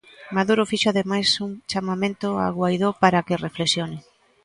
Maduro fixo ademais un chamamento a Guaidó para que reflexione.